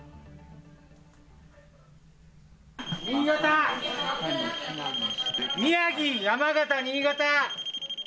新潟、宮城、山形、新潟。